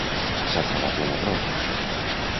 S'ha trobat un error.